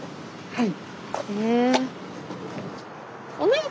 はい。